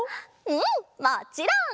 うんもちろん！